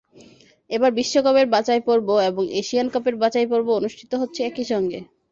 এবার বিশ্বকাপের বাছাইপর্ব এবং এশিয়ান কাপের বাছাইপর্ব অনুষ্ঠিত হচ্ছে একই সঙ্গে।